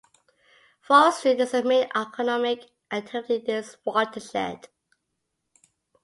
Forestry is the main economic activity in this watershed.